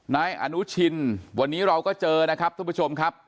นายอนุชินวันนี้เราก็เจอนะครับทุกผู้ชมครับ